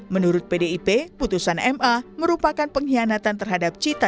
menurut pdip putusan ma merupakan pengkhianatan terhadap cita